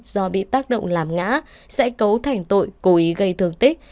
do bị tác động làm ngã sẽ cấu thành tội cố ý gây thương tích